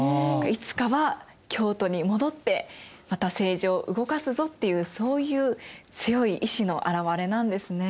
いつかは京都に戻ってまた政治を動かすぞっていうそういう強い意志の表れなんですね。